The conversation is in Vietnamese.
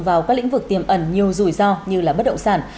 vào các lĩnh vực tiềm ẩn nhiều rủi ro như bất động sản